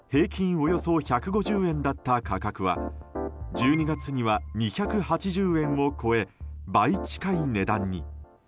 およそ１５０円だった価格は１２月には２８０円を超え倍近い値段に。